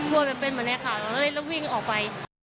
ใช่ค่ะโดยเป็นแบบนี้ค่ะแล้วเริ่มวิ่งออกไป